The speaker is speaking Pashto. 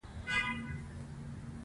د وېښتیانو چپوالی خراب تاثیر لري.